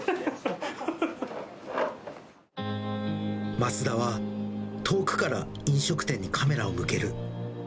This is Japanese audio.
松田は遠くから飲食店にカメラを向ける。